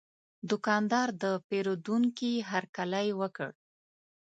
دوکاندار د پیرودونکي هرکلی وکړ.